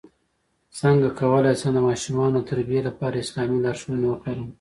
څنګه کولی شم د ماشومانو د تربیې لپاره اسلامي لارښوونې وکاروم